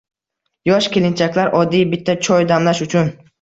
Yosh kelinchaklar oddiy bitta choy damlash uchun